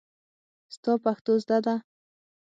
ستا پښتو زده ده.